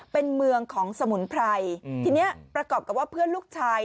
เป็นเมืองของสมุนไพรทีนี้ประกอบกับว่าเพื่อนลูกชาย